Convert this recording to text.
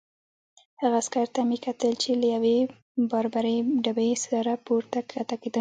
هغه عسکر ته مې کتل چې له یوې باربرې ډبې سره پورته کښته کېده.